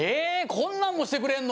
こんなんもしてくれんの？